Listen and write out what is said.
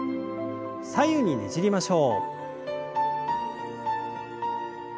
左右にねじりましょう。